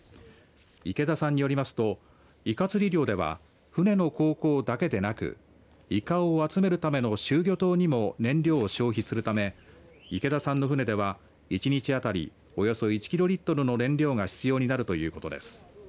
池田さんによりますといか釣り漁では船の航行だけでなくいかを集めるための集魚灯にも燃料を消費するため池田さんの船では１日当たりおよそ１キロリットルの燃料が必要になるということです。